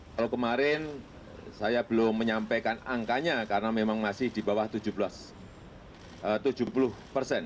kalau kemarin saya belum menyampaikan angkanya karena memang masih di bawah tujuh puluh persen